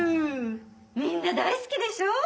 みんな大好きでしょう？